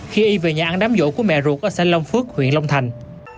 khi y về nhà ăn đám vỗ của mẹ ruột ở xã long phước huyện long thành